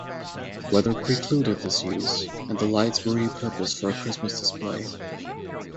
Weather precluded this use, and the lights were repurposed for a Christmas display.